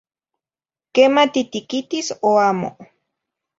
Quema titiquitis o amo?